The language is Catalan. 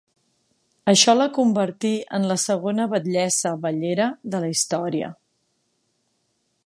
Això la convertí en la segona batllessa vallera de la història.